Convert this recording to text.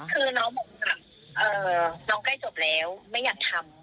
คือน้องบุ๋มน้องใกล้จบแล้วไม่อยากทำ